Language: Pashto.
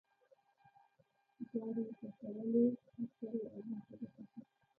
چې ګاډۍ یې کشولې، قچرو او موټرو څخه.